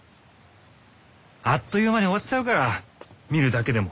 あっという間に終わっちゃうから見るだけでも。